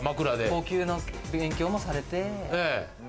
呼吸の勉強もされて。